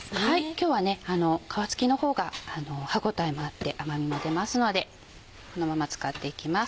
今日は皮付きの方が歯応えもあって甘みも出ますのでこのまま使っていきます。